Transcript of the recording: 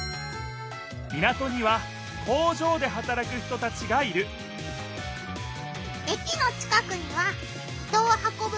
港には工場ではたらく人たちがいるえきの近くには人をはこぶ